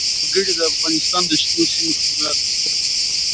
وګړي د افغانستان د شنو سیمو ښکلا ده.